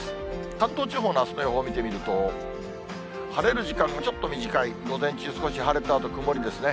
関東地方のあすの予報を見てみると、晴れる時間がちょっと短い、午前中少し晴れたあと、曇りですね。